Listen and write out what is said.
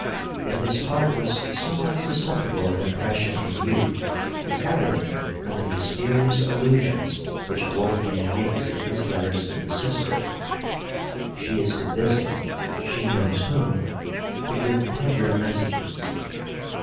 That his heart was somewhat susceptible of impression in youth is evident from the mysterious allusions which Wolfgang makes in his letters to his sister; she is to visit she knows whom to give tender messages, &c.